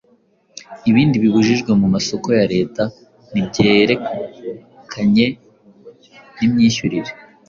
ibindi bibujijwe mu masoko ya Leta n’ibyerekeranye n’imyishyurire.